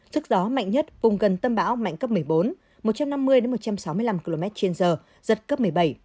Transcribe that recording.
sức gió mạnh nhất vùng gần tâm bão mạnh cấp một mươi bốn một trăm năm mươi một trăm sáu mươi năm km trên giờ giật cấp một mươi bảy